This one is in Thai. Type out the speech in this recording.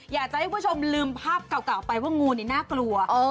อยากจะให้คุณผู้ชมลืมภาพเก่าไปว่างูนี่น่ากลัว